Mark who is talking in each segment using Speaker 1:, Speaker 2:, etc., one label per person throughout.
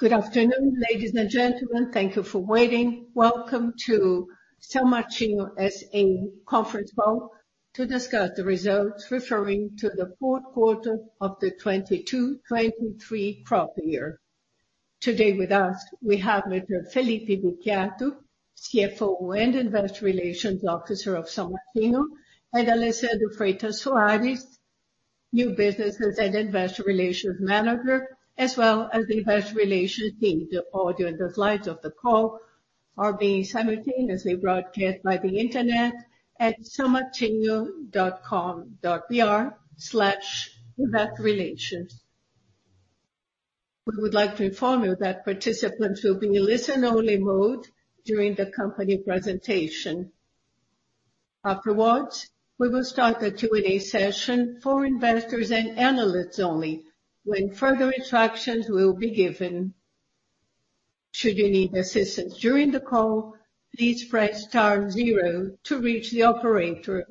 Speaker 1: Good afternoon, ladies and gentlemen. Thank you for waiting. Welcome to São Martinho S.A. conference call to discuss the results referring to the Q4 of the 2022, 2023 crop year. Today with us, we have Mr. Felipe Vicchiato, CFO and Investor Relations Officer of São Martinho, and Alisse Freitas Soares, New Businesses and Investor Relations Manager, as well as the investor relations team. The audio and the slides of the call are being simultaneously broadcast by the internet at saomartinho.com.br/ir. We would like to inform you that participants will be in listen only mode during the company presentation. Afterwards, we will start the Q&A session for investors and analysts only, when further instructions will be given. Should you need assistance during the call, please press star zero to reach the operator.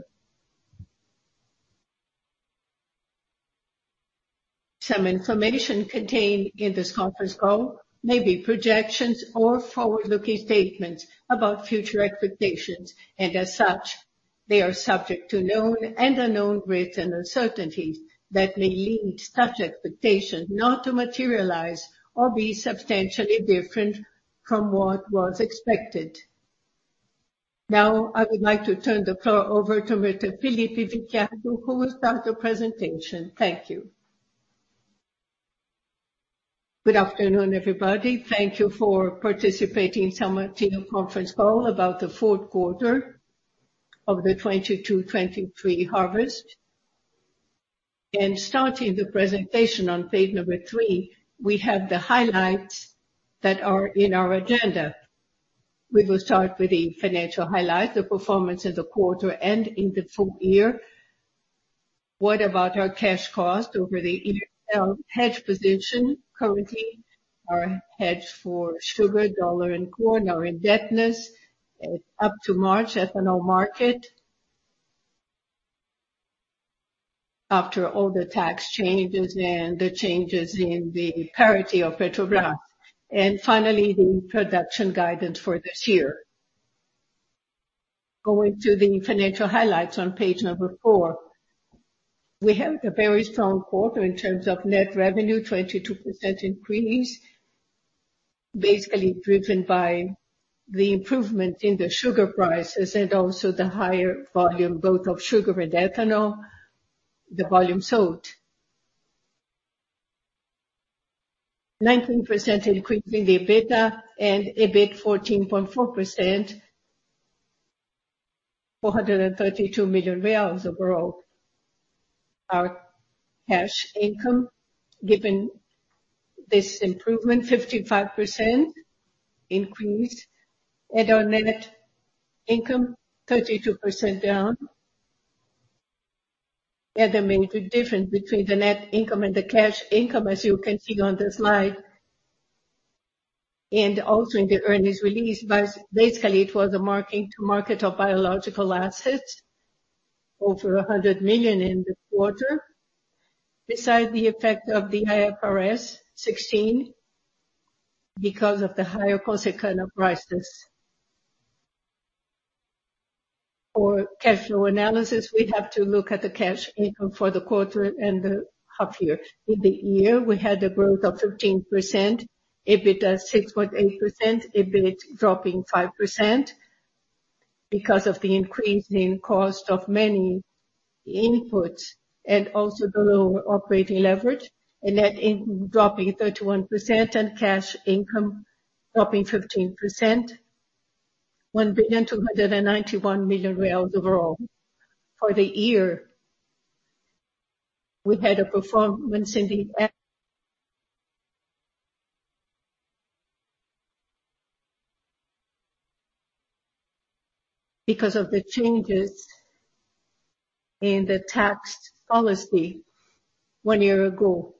Speaker 1: Some information contained in this conference call may be projections or forward-looking statements about future expectations, and as such, they are subject to known and unknown risks and uncertainties that may lead such expectations not to materialize or be substantially different from what was expected. I would like to turn the floor over to Mr. Felipe Vicchiato, who will start the presentation. Thank you.
Speaker 2: Good afternoon, everybody. Thank you for participating in São Martinho conference call about the Q4 of the 2022, 2023 harvest. Starting the presentation on page number 3, we have the highlights that are in our agenda. We will start with the financial highlights, the performance of the quarter, and in the full year. What about our cash cost over the year? Our hedge position. Currently, our hedge for sugar, dollar, and corn. Our indebtedness at up to March, ethanol market. After all the tax changes and the changes in the parity of Petrobras, and finally, the production guidance for this year. Going to the financial highlights on page 4, we have a very strong quarter in terms of net revenue, 22% increase, basically driven by the improvement in the sugar prices and also the higher volume, both of sugar and ethanol, the volume sold. 19% increase in the EBITDA and EBIT 14.4%, 432 million reais overall. Our cash income, given this improvement, 55% increase, and our net income, 32% down. The major difference between the net income and the cash income, as you can see on the slide, and also in the earnings release, was basically it was a marking to market of biological assets, over 100 million in the quarter. Besides the effect of the IFRS 16, because of the higher cost of kind of prices. For cash flow analysis, we have to look at the cash income for the quarter and the half year. In the year, we had a growth of 15%, EBITDA 6.8%, EBIT dropping 5% because of the increase in cost of many inputs and also the lower operating leverage and net in- dropping 31% and cash income dropping 15%. 1.291 billion overall. For the year, we had a performance in the e- because of the changes in the tax policy one year ago,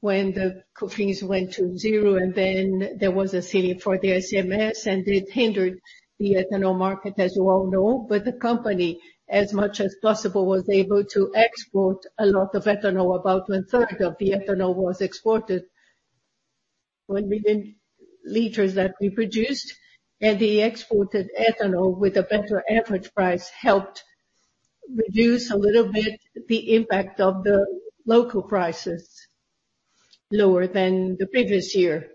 Speaker 2: when the COFINS went to zero, and then there was a ceiling for the ICMS, and it hindered the ethanol market, as you all know. The company, as much as possible, was able to export a lot of ethanol. About 1/3 of the ethanol was exported, one million liters that we produced, and the exported ethanol, with a better average price, helped reduce a little bit the impact of the local prices, lower than the previous year.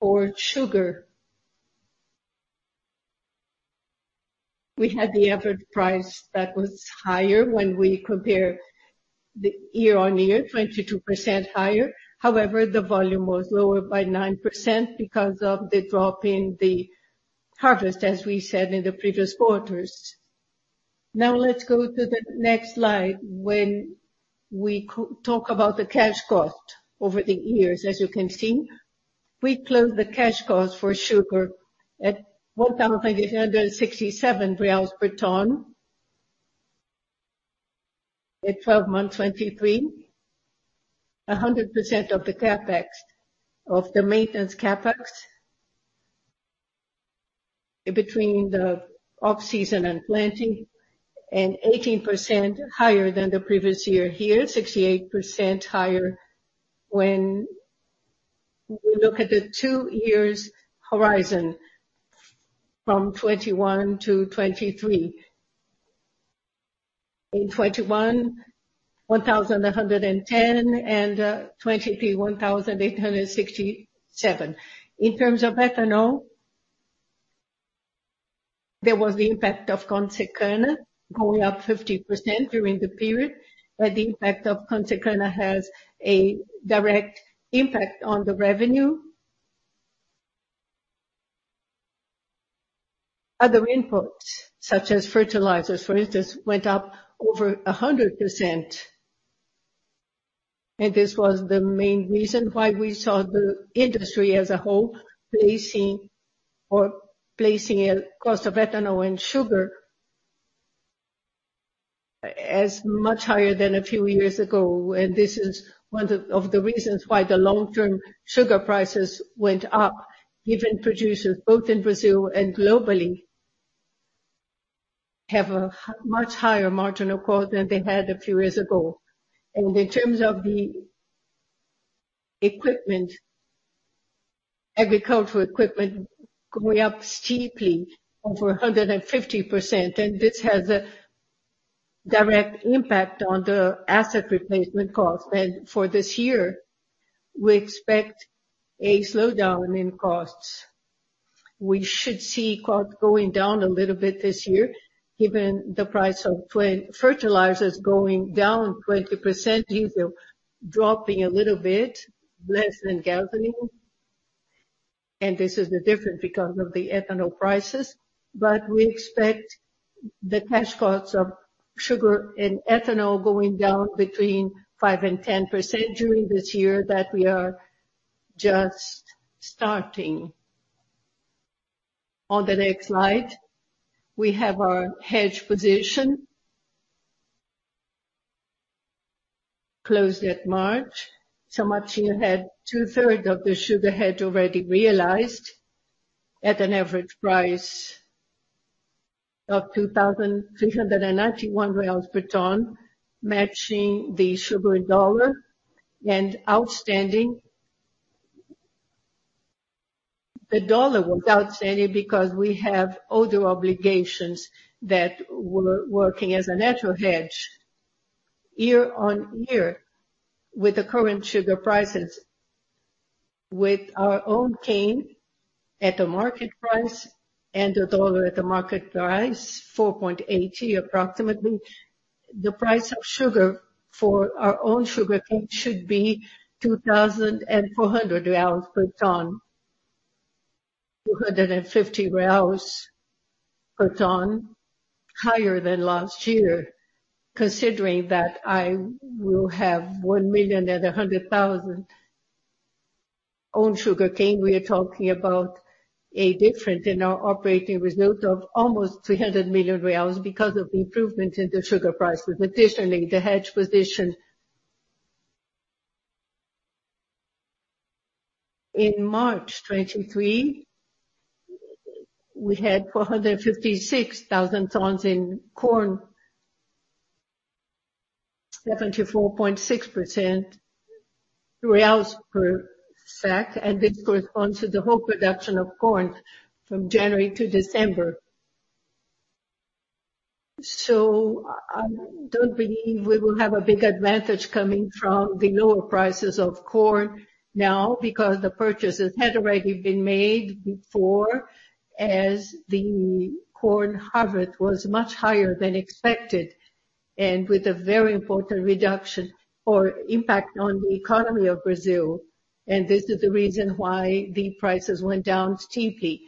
Speaker 2: For sugar, we had the average price that was higher when we compare the year-on-year, 22% higher. However, the volume was lower by 9% because of the drop in the harvest, as we said in the previous quarters. Let's go to the next slide. When we talk about the cash cost over the years, as you can see, we closed the cash cost for sugar at BRL 1,867 per ton at 12 months, 23. 100% of the CapEx, of the maintenance CapEx. between the off-season and planting, 18% higher than the previous year. Here, 68% higher when we look at the two years horizon from 2021 to 2023. In 2021, 1,110, and 2023, 1,867. In terms of ethanol, there was the impact of Consecana going up 50% during the period. The impact of Consecana has a direct impact on the revenue. Other inputs, such as fertilizers, for instance, went up over 100%. This was the main reason why we saw the industry as a whole, placing a cost of ethanol and sugar as much higher than a few years ago. This is one of the reasons why the long-term sugar prices went up, giving producers, both in Brazil and globally, have a much higher margin of growth than they had a few years ago. In terms of the equipment, agricultural equipment going up steeply over 150%, this has a direct impact on the asset replacement cost. For this year, we expect a slowdown in costs. We should see costs going down a little bit this year, given the price of fertilizers going down 20%, diesel dropping a little bit, less than gasoline, this is different because of the ethanol prices. We expect the cash costs of sugar and ethanol going down between 5% and 10% during this year that we are just starting. On the next slide, we have our hedge position closed at March. We had two-thirds of the sugar hedge already realized at an average price of 2,391 per ton, matching the sugar in USD and outstanding. The USD was outstanding because we have other obligations that were working as a natural hedge year-over-year with the current sugar prices, with our own cane at the market price and the USD at the market price, approximately 4.80. The price of sugar for our own sugarcane should be 2,400 reais per ton. 250 reais per ton, higher than last year, considering that I will have 1,100,000 own sugarcane, we are talking about a different in our operating result of almost 300 million reais because of the improvement in the sugar price. With additionally, the hedge position. In March 2023, we had 456,000 tons in corn, 74.6% BRL per sack, and this corresponds to the whole production of corn from January to December. I don't believe we will have a big advantage coming from the lower prices of corn now, because the purchases had already been made before, as the corn harvest was much higher than expected, and with a very important reduction or impact on the economy of Brazil, and this is the reason why the prices went down steeply.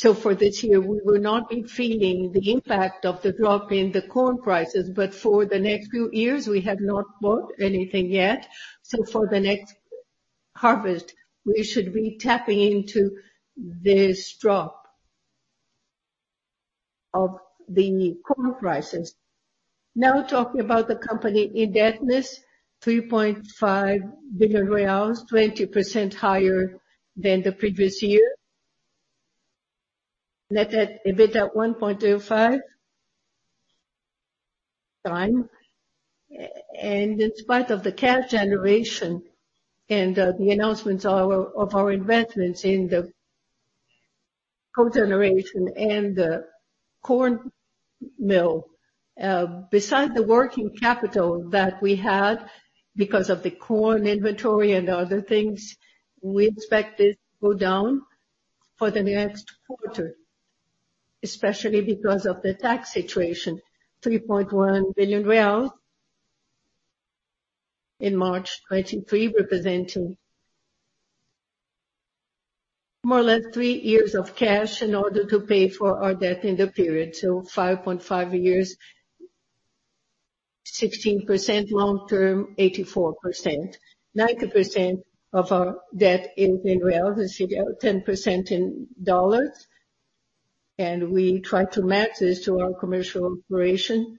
Speaker 2: For this year, we will not be feeling the impact of the drop in the corn prices, but for the next few years, we have not bought anything yet. For the next harvest, we should be tapping into this drop of the corn prices. Talking about the company indebtedness, BRL 3.5 billion, 20% higher than the previous year. Net EBITDA 1.05, fine. In spite of the cash generation and the announcements of our investments in the cogeneration and the corn mill, besides the working capital that we had because of the corn inventory and other things, we expect this to go down for the next quarter, especially because of the tax situation, BRL 3.1 billion in March 2023, representing more or less three years of cash in order to pay for our debt in the period. 5.5 years, 16% long-term, 84%. 90% of our debt is in BRL, 10% in USD, and we try to match this to our commercial operation.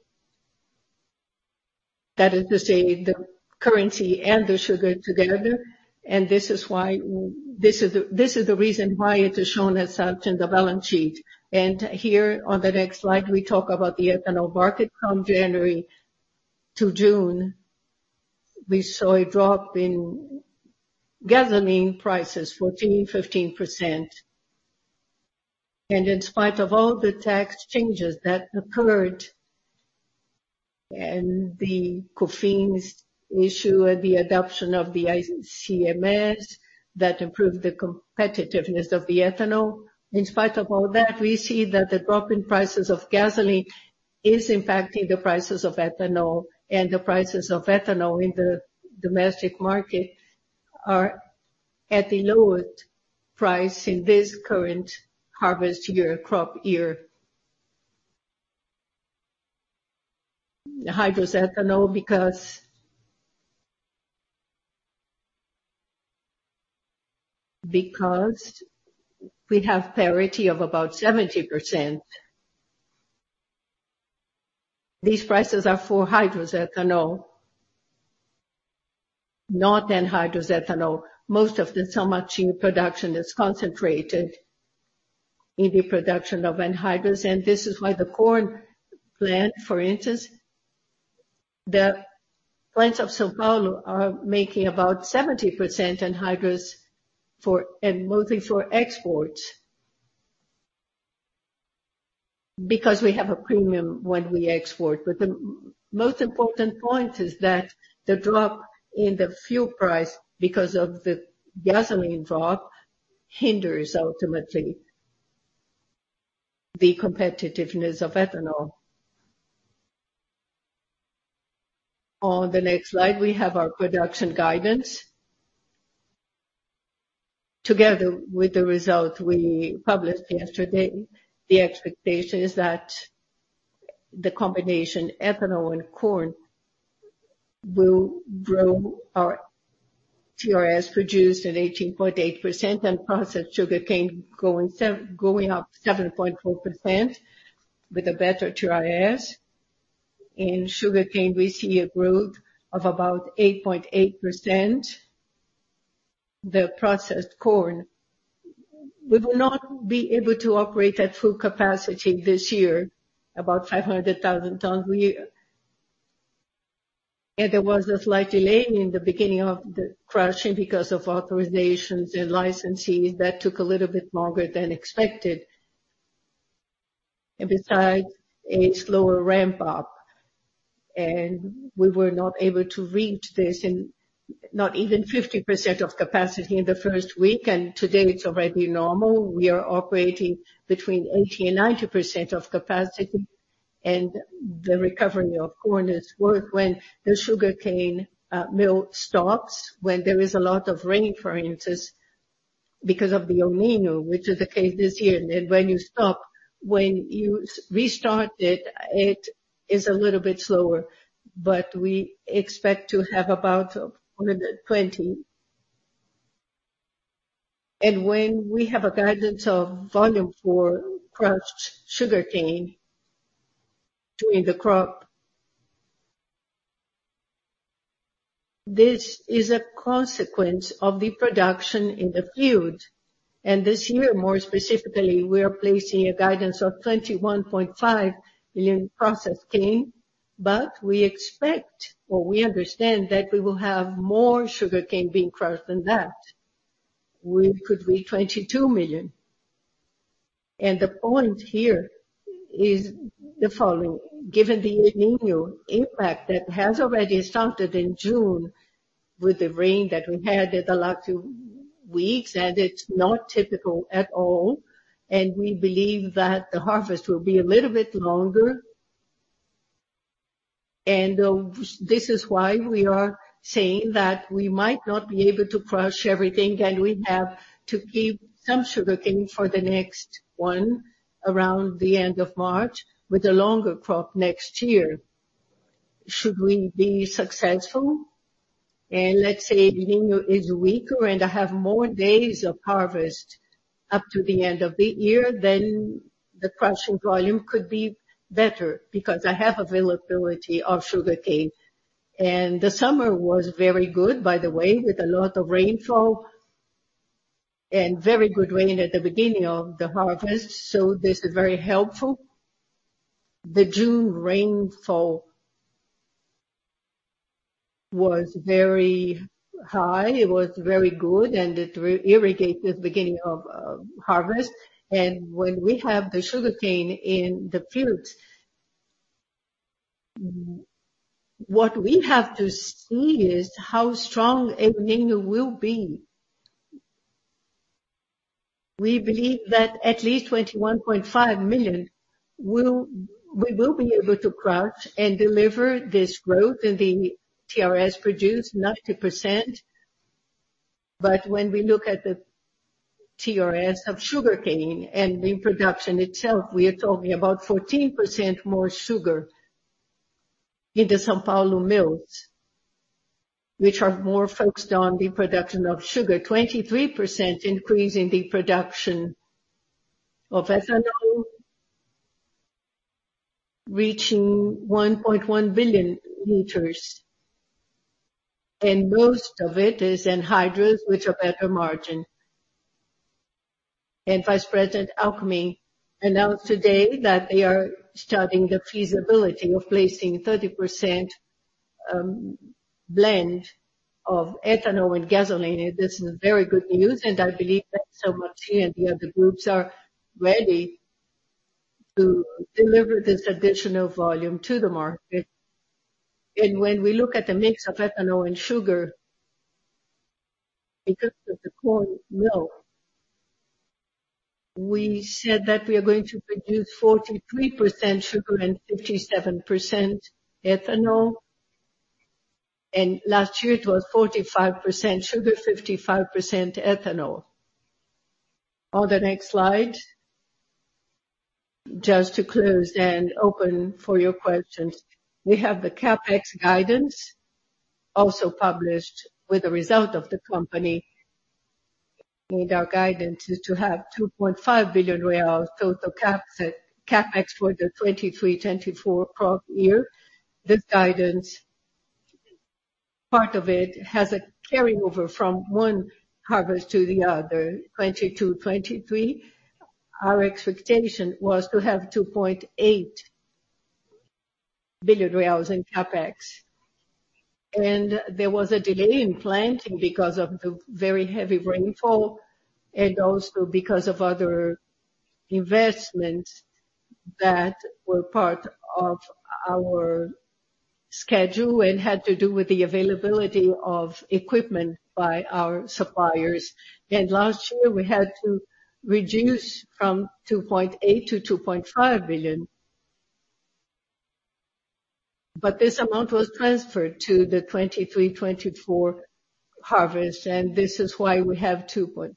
Speaker 2: That is to say, the currency and the sugar together, and this is why, this is the reason why it is shown as such in the balance sheet. Here on the next slide, we talk about the ethanol market from January to June. We saw a drop in gasoline prices, 14%, 15%. In spite of all the tax changes that occurred, and the COFINS issue, and the adoption of the ICMS, that improved the competitiveness of the ethanol. In spite of all that, we see that the drop in prices of gasoline is impacting the prices of ethanol, and the prices of ethanol in the domestic market are at the lowest price in this current harvest year, crop year. The hydrous ethanol, because we have parity of about 70%. These prices are for hydrous ethanol, not anhydrous ethanol. Most of the São Martinho production is concentrated in the production of anhydrous, and this is why the corn plant, for instance, the plants of São Paulo are making about 70% anhydrous for, and mostly for exports. We have a premium when we export. The most important point is that the drop in the fuel price, because of the gasoline drop, hinders ultimately the competitiveness of ethanol. On the next slide, we have our production guidance. Together with the result we published yesterday, the expectation is that the combination ethanol and corn will grow our TRS produced at 18.8%, and processed sugarcane going up 7.4% with a better TRS. In sugarcane, we see a growth of about 8.8%. The processed corn, we will not be able to operate at full capacity this year, about 500,000 tons a year. There was a slight delay in the beginning of the crushing because of authorizations and licenses. That took a little bit longer than expected. Besides, a slower ramp up, and we were not able to reach this in, not even 50% of capacity in the first week, and today it's already normal. We are operating between 80% and 90% of capacity, and the recovery of corn is worth when the sugarcane mill stops, when there is a lot of rain, for instance, because of the El Niño, which is the case this year. When you stop, when you restart it is a little bit slower, but we expect to have about 120. When we have a guidance of volume for crushed sugarcane during the crop, this is a consequence of the production in the field. This year, more specifically, we are placing a guidance of 21.5 million processed cane, but we expect, or we understand that we will have more sugarcane being crushed than that, which could be 22 million. The point here is the following: given the El Niño impact that has already started in June, with the rain that we had in the last 2 weeks, it's not typical at all, and we believe that the harvest will be a little bit longer. This is why we are saying that we might not be able to crush everything, and we have to keep some sugarcane for the next one, around the end of March, with a longer crop next year. Should we be successful, let's say El Niño is weaker, I have more days of harvest up to the end of the year, the crushing volume could be better, because I have availability of sugarcane. The summer was very good, by the way, with a lot of rainfall and very good rain at the beginning of the harvest, this is very helpful. The June rainfall was very high, it was very good, it re-irrigated the beginning of harvest. When we have the sugarcane in the fields, what we have to see is how strong El Niño will be. We believe that at least 21.5 million we will be able to crush and deliver this growth in the TRS produced, 90%. When we look at the TRS of sugarcane and in production itself, we are talking about 14% more sugar in the São Paulo mills, which are more focused on the production of sugar. 23% increase in the production of ethanol, reaching 1.1 billion liters, and most of it is anhydrous, which are better margin. Vice President Alckmin announced today that they are studying the feasibility of placing 30% blend of ethanol and gasoline. This is very good news, and I believe that so much he and the other groups are ready to deliver this additional volume to the market. When we look at the mix of ethanol and sugar, because of the corn mill, we said that we are going to produce 43% sugar and 57% ethanol, and last year it was 45% sugar, 55% ethanol. On the next slide, just to close and open for your questions. We have the CapEx guidance also published with the result of the company, our guidance is to have 2.5 billion real total CapEx for the 2023-2024 crop year. This guidance, part of it has a carryover from one harvest to the other. 2022-2023, our expectation was to have 2.8 billion reais in CapEx, and there was a delay in planting because of the very heavy rainfall and also because of other investments that were part of our schedule and had to do with the availability of equipment by our suppliers. Last year, we had to reduce from 2.8 billion to 2.5 billion. This amount was transferred to the 2023-2024 harvest, and this is why we have 2.5 billion.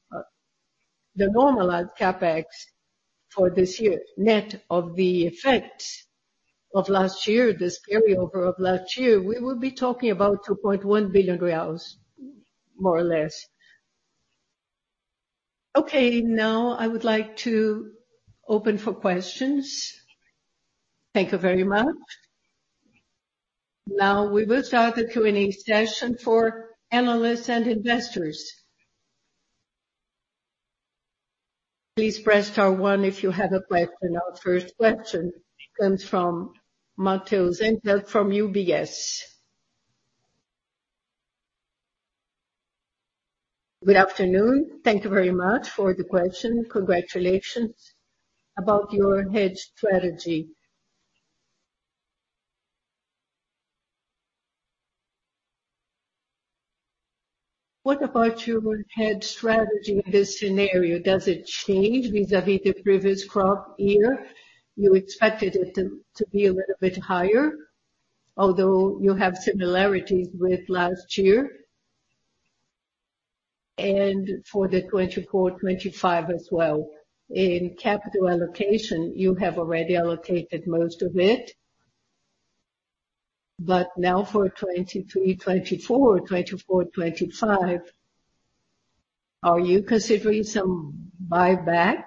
Speaker 2: The normalized CapEx for this year, net of the effects of last year, this carryover of last year, we will be talking about 2.1 billion reais, more or less.
Speaker 1: Okay, I would like to open for questions. Thank you very much. We will start the Q&A session for analysts and investors. Please press star one if you have a question. Our first question comes from Matheus Zanetti from UBS. Good afternoon.
Speaker 3: Thank you very much for the question. Congratulations about your hedge strategy. What about your hedge strategy in this scenario? Does it change vis-a-vis the previous crop year? You expected it to be a little bit higher, although you have similarities with last year and for the 2024, 2025 as well. In capital allocation, you have already allocated most of it, but now for 2023, 2024, 2025, are you considering some buyback?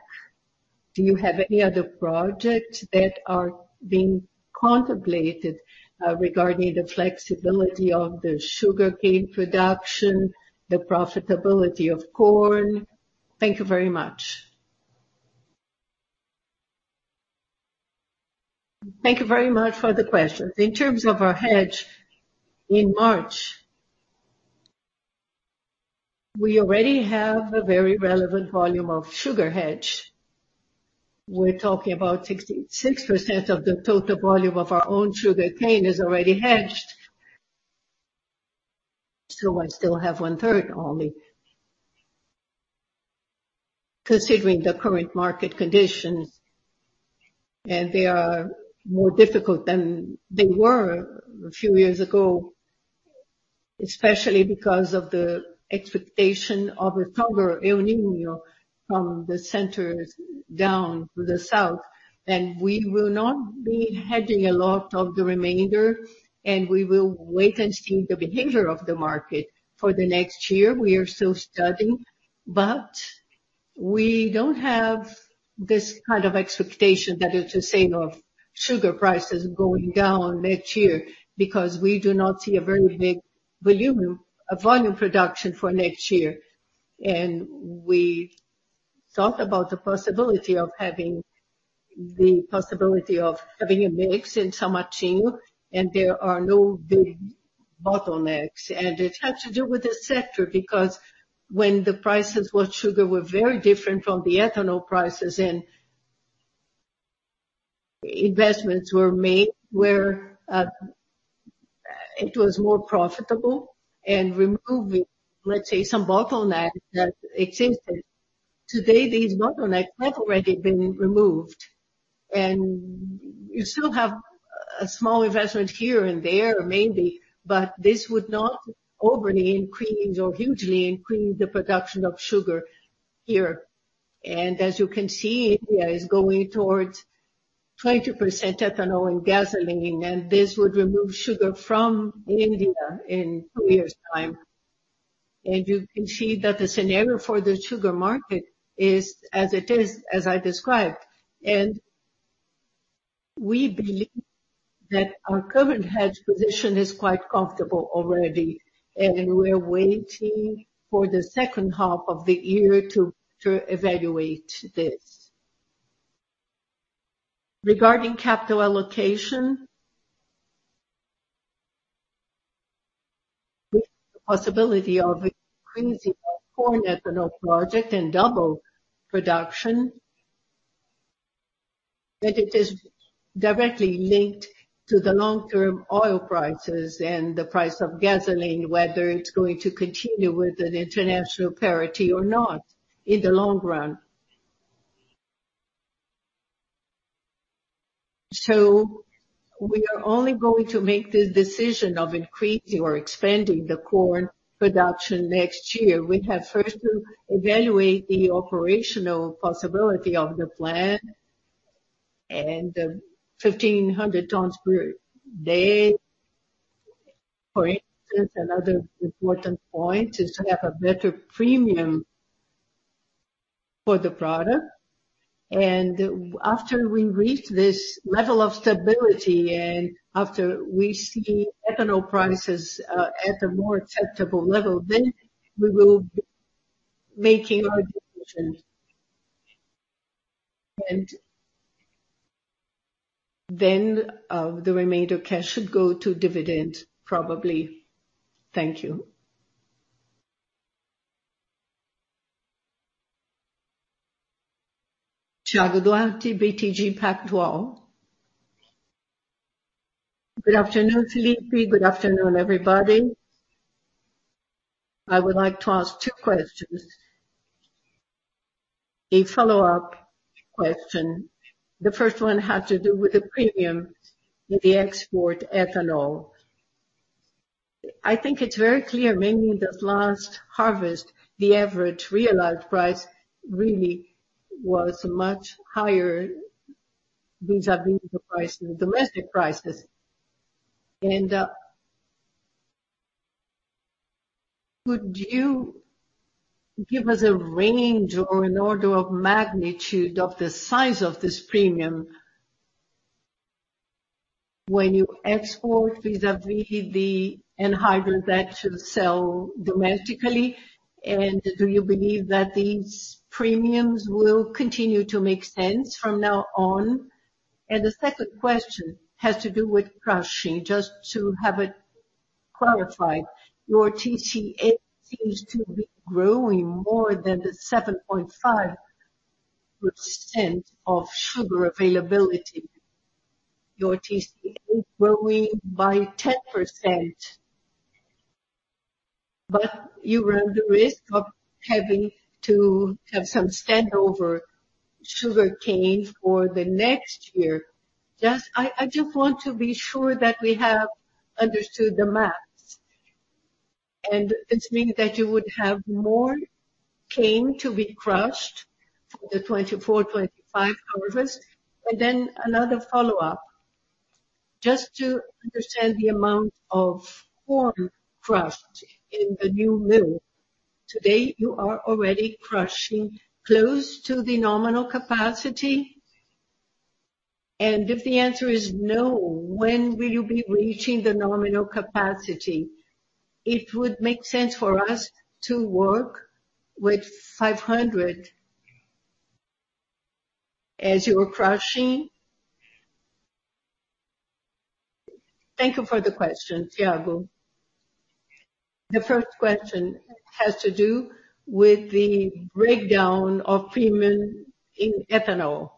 Speaker 3: Do you have any other projects that are being contemplated regarding the flexibility of the sugarcane production, the profitability of corn?
Speaker 2: Thank you very much. Thank you very much for the question. In terms of our hedge, in March, we already have a very relevant volume of sugar hedge. We're talking about 66% of the total volume of our own sugarcane is already hedged. I still have 1/3 only. Considering the current market conditions, and they are more difficult than they were a few years ago, especially because of the expectation of a tougher El Niño from the centers down to the south, we will not be hedging a lot of the remainder, and we will wait and see the behavior of the market. For the next year, we are still studying, but we don't have this kind of expectation that is to say, of sugar prices going down next year, because we do not see a very big volume production for next year. We thought about the possibility of having a mix in São Martinho, and there are no big bottlenecks, and it has to do with the sector, because when the prices with sugar were very different from the ethanol prices, and investments were made where it was more profitable and removing, let's say, some bottlenecks that existed. Today, these bottlenecks have already been removed, and you still have a small investment here and there, maybe, but this would not overly increase or hugely increase the production of sugar here. As you can see, India is going towards-... 20% ethanol and gasoline, this would remove sugar from India in two years' time. You can see that the scenario for the sugar market is as it is, as I described, and we believe that our current hedge position is quite comfortable already, and we're waiting for the second half of the year to evaluate this. Regarding capital allocation, the possibility of increasing our foreign ethanol project and double production, that it is directly linked to the long-term oil prices and the price of gasoline, whether it's going to continue with the international parity or not, in the long run. We are only going to make this decision of increasing or expanding the corn production next year. We have first to evaluate the operational possibility of the plant and 1,500 tons per day. For instance, another important point is to have a better premium for the product. After we reach this level of stability and after we see ethanol prices at a more acceptable level, we will be making our decision. The remainder cash should go to dividend, probably. Thank you.
Speaker 4: Thiago Duarte, BTG Pactual. Good afternoon, Felipe. Good afternoon, everybody. I would like to ask two questions, a follow-up question. The first one has to do with the premium in the export ethanol. I think it's very clear, mainly in this last harvest, the average realized price really was much higher vis-a-vis the price, the domestic prices. Could you give us a range or an order of magnitude of the size of this premium when you export vis-a-vis the anhydrous that you sell domestically? Do you believe that these premiums will continue to make sense from now on? The second question has to do with crushing. Just to have it qualified, your TCH seems to be growing more than the 7.5% of sugar availability. Your TCH is growing by 10%, but you run the risk of having to have some standover sugarcane for the next year. I just want to be sure that we have understood the math, and this means that you would have more cane to be crushed for the 2024-2025 harvest. Another follow-up, just to understand the amount of corn crushed in the new mill. Today, you are already crushing close to the nominal capacity? If the answer is no, when will you be reaching the nominal capacity? It would make sense for us to work with 500 as you are crushing.
Speaker 2: Thank you for the question, Thiago. The first question has to do with the breakdown of premium in ethanol.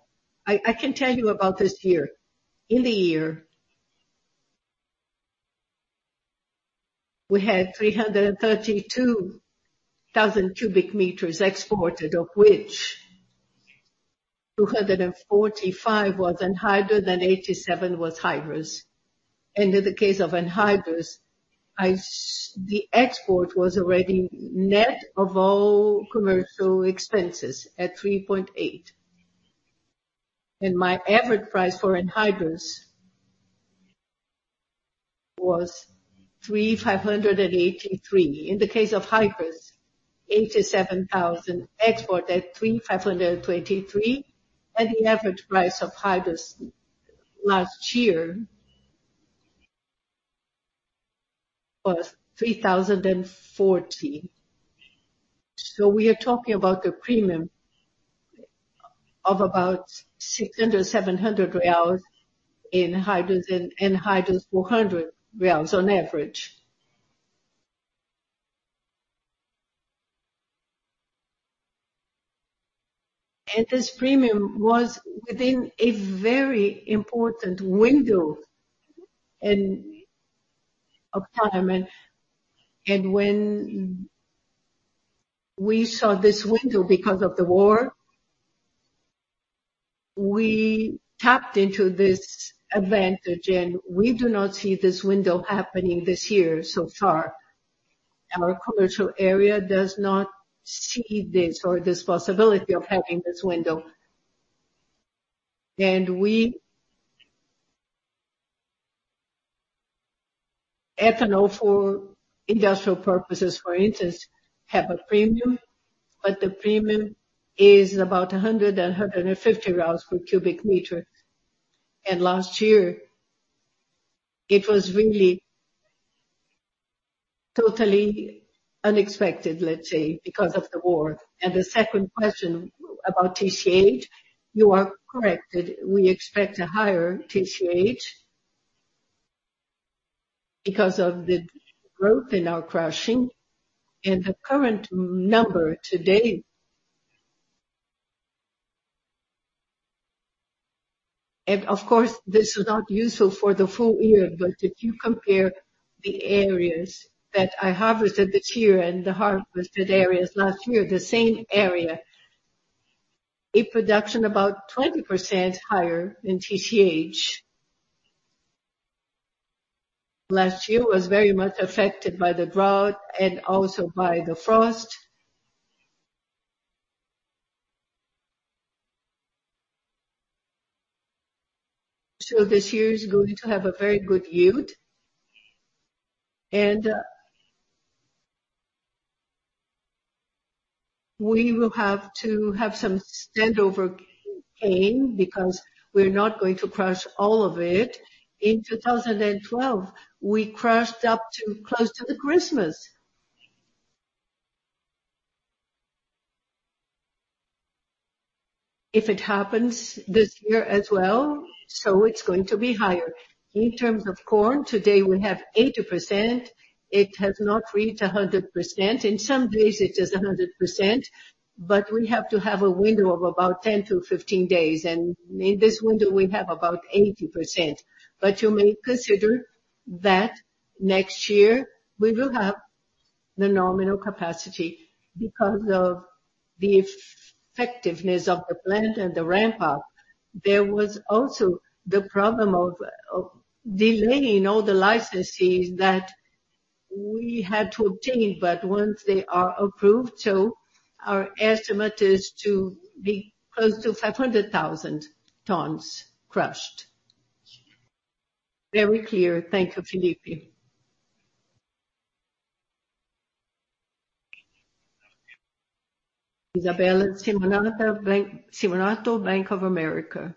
Speaker 2: I can tell you about this year. In the year, we had 332,000 cubic meters exported, of which 245 was anhydrous and 87 was hydrous. In the case of anhydrous, the export was already net of all commercial expenses at 3.8, and my average price for anhydrous was 3,583. In the case of hydrous, 87,000 exported at 3,523, and the average price of hydrous last year was 3,040. We are talking about a premium of about 600-700 reais in hydrous, 400 reais on average. This premium was within a very important window of time, and when we saw this window because of the war, we tapped into this advantage, and we do not see this window happening this year so far. Our commercial area does not see this possibility of having this window. We, ethanol for industrial purposes, for instance, have a premium, but the premium is about 100-150 per cubic meter. Last year it was really totally unexpected, let's say, because of the war. The second question about TCH, you are corrected. We expect a higher TCH because of the growth in our crushing and the current number today. Of course, this is not useful for the full year, but if you compare the areas that I harvested this year and the harvested areas last year, the same area, a production about 20% higher than TCH. Last year was very much affected by the drought and also by the frost. This year is going to have a very good yield, and we will have to have some standover cane because we're not going to crush all of it. In 2012, we crushed up to close to the Christmas. If it happens this year as well, it's going to be higher. In terms of corn, today, we have 80%. It has not reached 100%. In some days it is 100%, but we have to have a window of about 10-15 days, and in this window, we have about 80%. You may consider that next year we will have the nominal capacity because of the effectiveness of the plant and the ramp up. There was also the problem of delaying all the licenses that we had to obtain, but once they are approved, so our estimate is to be close to 500,000 tons crushed.
Speaker 4: Very clear. Thank you, Felipe.
Speaker 5: Isabella Simonato, Bank of America.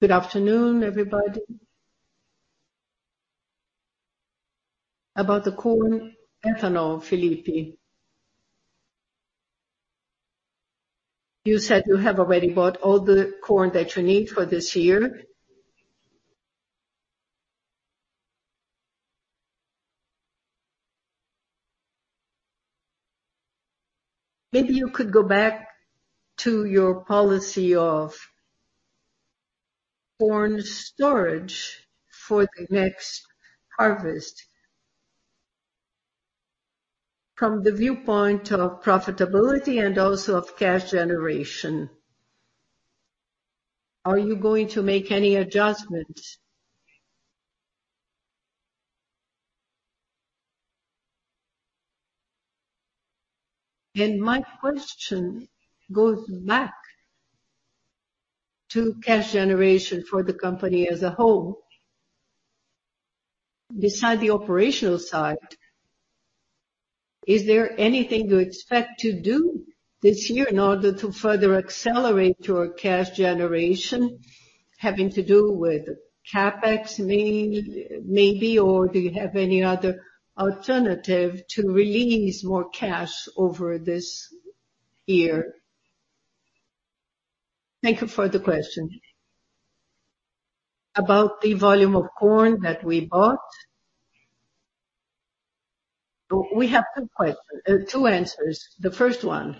Speaker 5: Good afternoon, everybody. About the corn ethanol, Felipe. You said you have already bought all the corn that you need for this year. Maybe you could go back to your policy of corn storage for the next harvest. From the viewpoint of profitability and also of cash generation, are you going to make any adjustments? My question goes back to cash generation for the company as a whole. Beside the operational side, is there anything you expect to do this year in order to further accelerate your cash generation, having to do with CapEx, maybe? Do you have any other alternative to release more cash over this year?
Speaker 2: Thank you for the question. About the volume of corn that we bought, we have two questions, two answers. The first one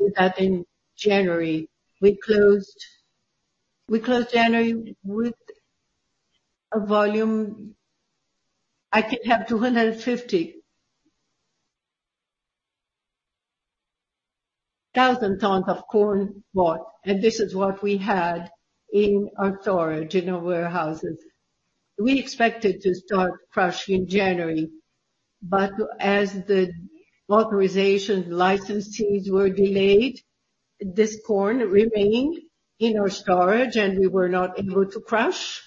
Speaker 2: is that in January, we closed January with a volume... I could have 250,000 tons of corn bought, and this is what we had in our storage, in our warehouses. We expected to start crushing in January, but as the authorization licenses were delayed, this corn remained in our storage, and we were not able to crush.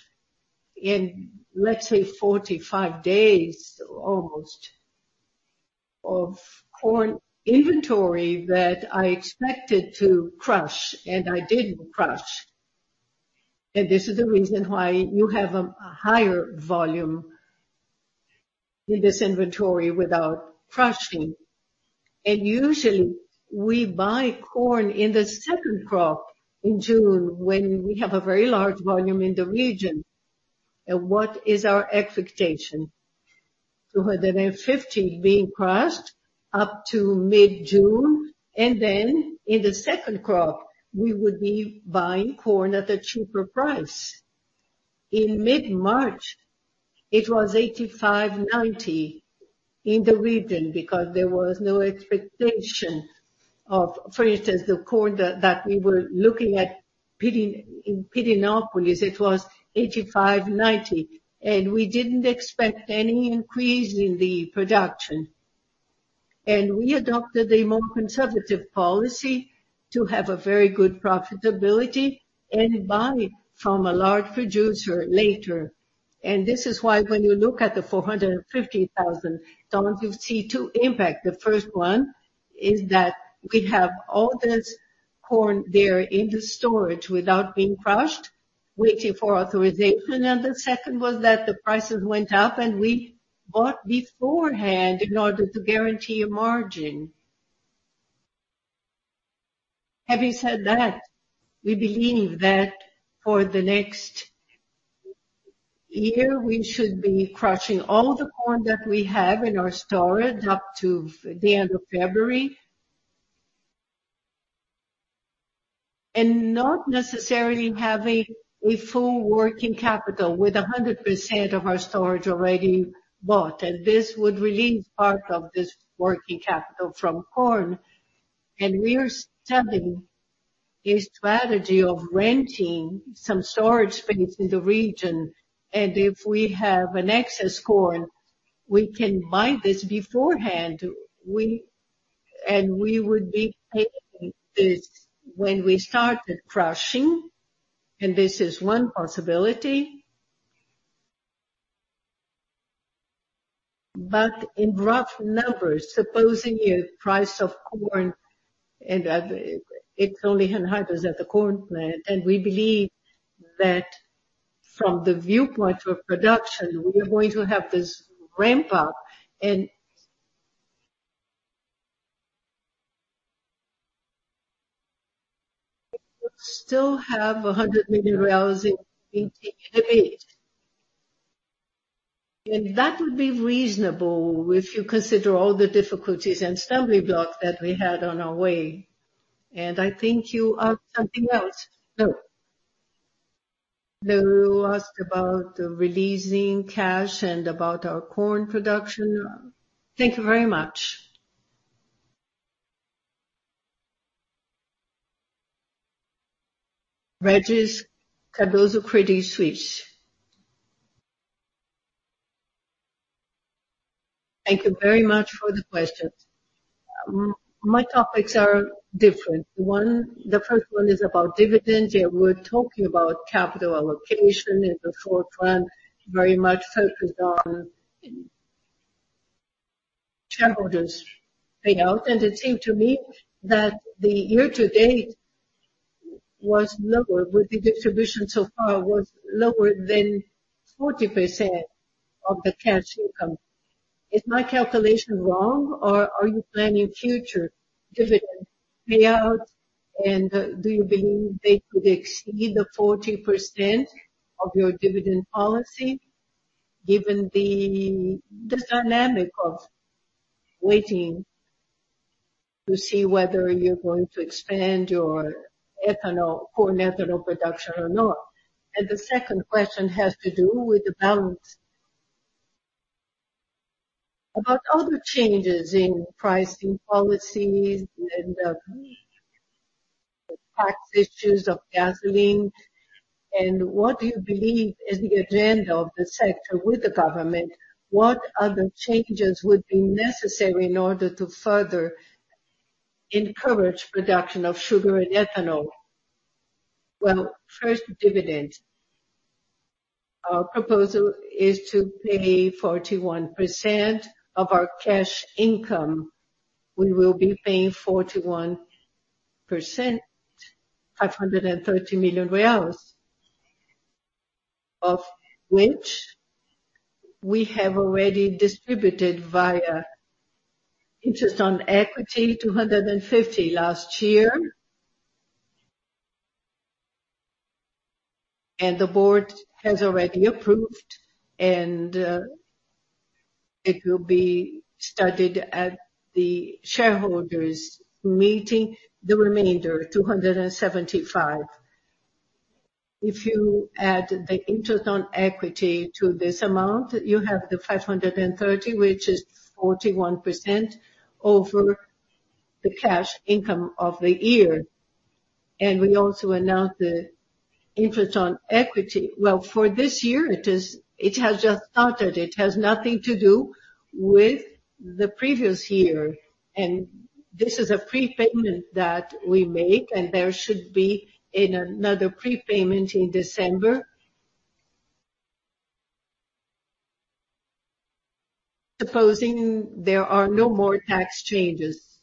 Speaker 2: In, let's say, 45 days, almost, of corn inventory that I expected to crush, and I didn't crush. This is the reason why you have a higher volume in this inventory without crushing. Usually, we buy corn in the second crop in June, when we have a very large volume in the region. What is our expectation? 250 being crushed up to mid-June, and then in the second crop, we would be buying corn at a cheaper price. In mid-March, it was 85-90. in the region because there was no expectation of, for instance, the corn that we were looking at in Pirenópolis, it was 85, 90, and we didn't expect any increase in the production. We adopted a more conservative policy to have a very good profitability and buy from a large producer later. This is why when you look at the 450,000 tons, you see two impact. The first one is that we have all this corn there in the storage without being crushed, waiting for authorization. The second was that the prices went up, and we bought beforehand in order to guarantee a margin. Having said that, we believe that for the next year, we should be crushing all the corn that we have in our storage up to the end of February. Not necessarily have a full working capital with 100% of our storage already bought, this would relieve part of this working capital from corn. We are studying a strategy of renting some storage space in the region, if we have an excess corn, we can buy this beforehand. We would be paying this when we started crushing, this is one possibility. In rough numbers, supposing the price of corn, it only enhances at the corn plant, we believe that from the viewpoint of production, we are going to have this ramp up, we'll still have R$100 million in EBITDA. That would be reasonable if you consider all the difficulties and stumbling block that we had on our way. I think you asked something else. No. No, you asked about releasing cash and about our corn production.
Speaker 5: Thank you very much.
Speaker 6: Regis Cardoso, Credit Suisse. Thank you very much for the questions. My topics are different. One, the first one is about dividends, we're talking about capital allocation in the forefront, very much focused on shareholders' payout. It seemed to me that the year to date was lower, with the distribution so far was lower than 40% of the cash income. Is my calculation wrong, or are you planning future dividend payout? Do you believe they could exceed the 40% of your dividend policy, given the dynamic of waiting to see whether you're going to expand your ethanol, corn ethanol production or not? The second question has to do with the balance. About other changes in pricing policies and tax issues of gasoline, and what do you believe is the agenda of the sector with the government? What other changes would be necessary in order to further encourage production of sugar and ethanol?
Speaker 2: Well, first, dividend. Our proposal is to pay 41% of our cash income. We will be paying 41%, BRL 530 million, of which we have already distributed via interest on equity, 250 million last year. The board has already approved, and it will be studied at the shareholders' meeting, the remainder, 275 million. If you add the interest on equity to this amount, you have the 530 million, which is 41% over the cash income of the year. We also announced the interest on equity. Well, for this year, it has just started. It has nothing to do with the previous year. This is a prepayment that we make. There should be another prepayment in December. Supposing there are no more tax changes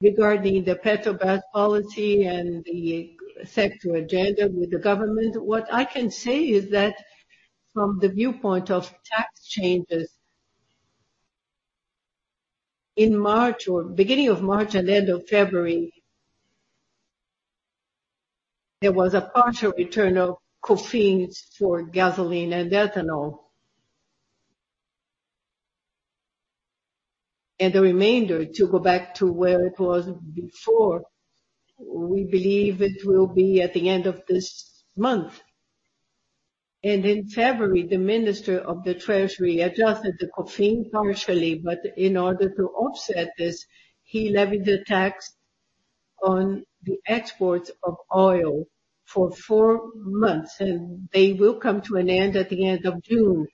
Speaker 2: regarding the Petrobras policy and the sector agenda with the government, what I can say is that from the viewpoint of tax changes, in March or beginning of March and end of February, there was a partial return of Cofins for gasoline and ethanol. The remainder, to go back to where it was before, we believe it will be at the end of this month. In February, the Minister of the Treasury adjusted the COFINS partially, but in order to offset this, he levied a tax on the exports of oil for four months, and they will come to an end at the end of June.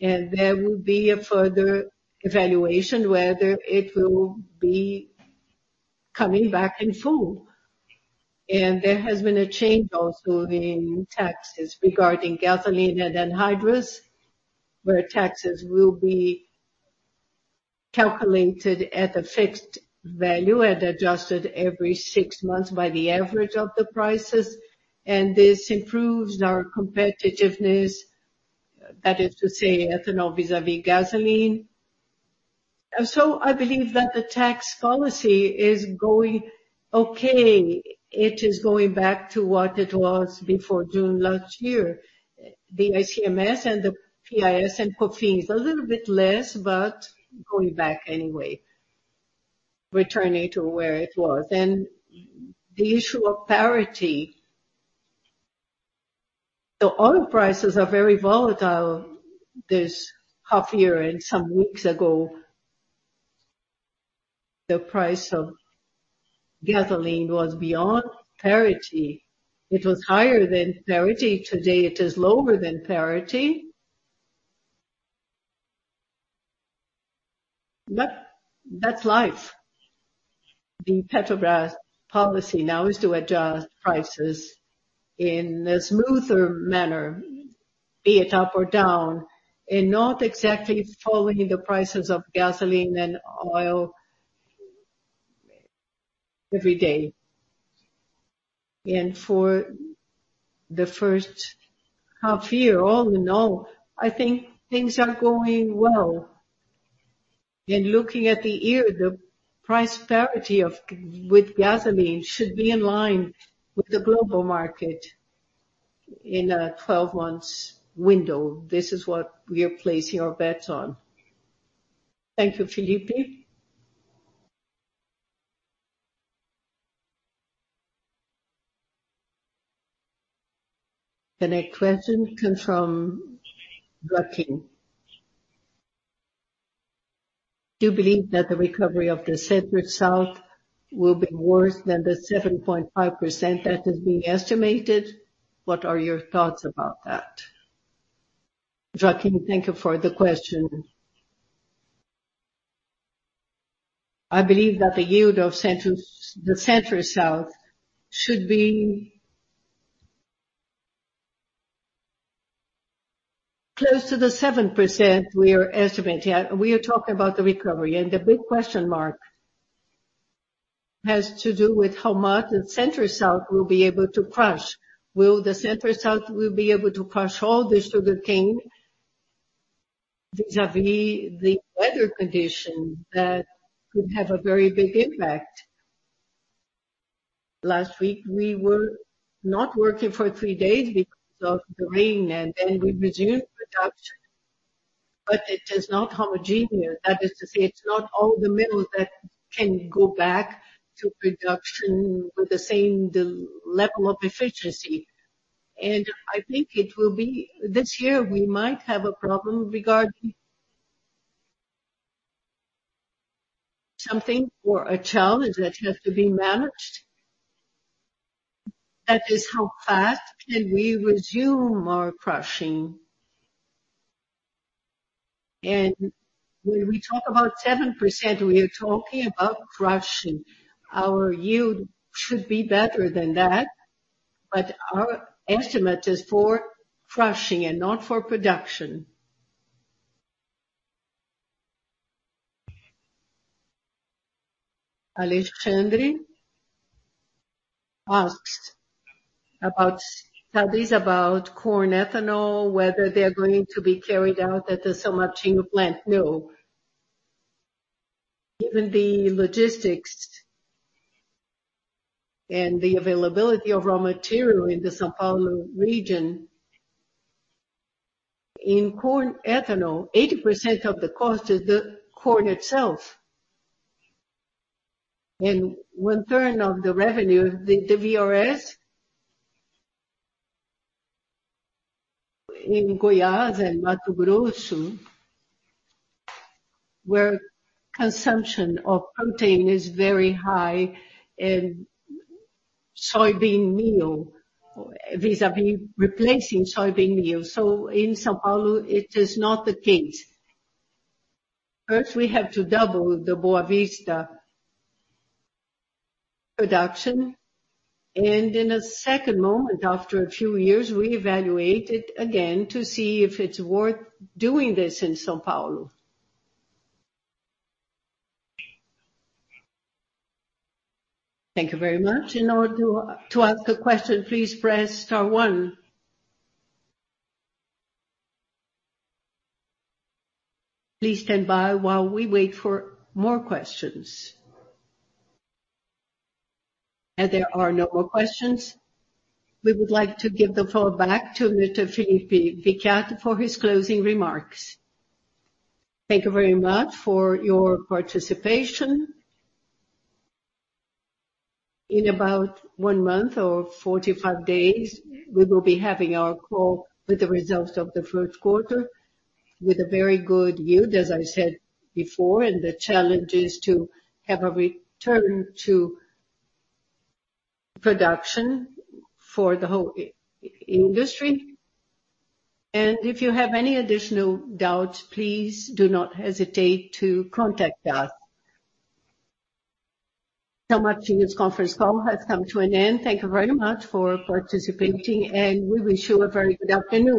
Speaker 2: There will be a further evaluation, whether it will be coming back in full. There has been a change also in taxes regarding gasoline and anhydrous, where taxes will be calculated at a fixed value and adjusted every six months by the average of the prices. This improves our competitiveness, that is to say, ethanol vis-à-vis gasoline. I believe that the tax policy is going okay. It is going back to what it was before June last year. The ICMS and the PIS and COFINS, a little bit less, but going back anyway, returning to where it was. The issue of parity. Oil prices are very volatile this half year. Some weeks ago, the price of gasoline was beyond parity. It was higher than parity. Today, it is lower than parity. That's life. The Petrobras policy now is to adjust prices in a smoother manner, be it up or down, and not exactly following the prices of gasoline and oil every day. For the first half year, all in all, I think things are going well. In looking at the year, the price parity with gasoline should be in line with the global market in a 12 months window. This is what we are placing our bets on.
Speaker 6: Thank you, Felipe.
Speaker 1: The next question comes from Joaquin. Do you believe that the recovery of the Center-South will be worse than the 7.5% that is being estimated? What are your thoughts about that?
Speaker 2: Joaquin, thank you for the question. I believe that the yield of the Center-South should be close to the 7% we are estimating. We are talking about the recovery, and the big question mark has to do with how much the Center-South will be able to crush. Will the Center-South be able to crush all the sugarcane, vis-à-vis the weather condition that could have a very big impact. Last week, we were not working for three days because of the rain, and then we resumed production, but it is not homogeneous. That is to say, it's not all the mills that can go back to production with the same level of efficiency. I think this year, we might have a problem regarding something or a challenge that has to be managed. That is, how fast can we resume our crushing? When we talk about 7%, we are talking about crushing. Our yield should be better than that, but our estimate is for crushing and not for production. Alexandre asked about studies about corn ethanol, whether they are going to be carried out at the São Martinho plant. No. Given the logistics and the availability of raw material in the São Paulo region, in corn ethanol, 80% of the cost is the corn itself, and 1/3 of the revenue, the DDGS... In Goiás and Mato Grosso, where consumption of protein is very high, and soybean meal, vis-à-vis replacing soybean meal, so in São Paulo, it is not the case. First, we have to double the Boa Vista production, and in a second moment, after a few years, we evaluate it again to see if it's worth doing this in São Paulo.
Speaker 7: Thank you very much.
Speaker 1: In order to ask a question, please press star one. Please stand by while we wait for more questions. There are no more questions. We would like to give the floor back to Mr. Felipe Vicchiato for his closing remarks.
Speaker 2: Thank you very much for your participation. In about one month or 45 days, we will be having our call with the results of the Q1, with a very good yield, as I said before. The challenge is to have a return to production for the whole industry. If you have any additional doubts, please do not hesitate to contact us. São Martinho's conference call has come to an end. Thank you very much for participating, and we wish you a very good afternoon.